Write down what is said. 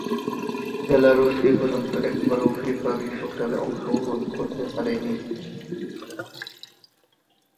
বেলারুশ এপর্যন্ত একবারও ফিফা বিশ্বকাপে অংশগ্রহণ করতে পারেনি।